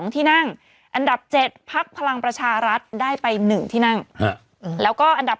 ที่นั่งอันดับ๗พักพลังประชารัฐได้ไป๑ที่นั่งแล้วก็อันดับ